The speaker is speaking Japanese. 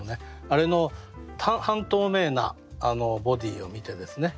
あれの半透明なボディーを見てですね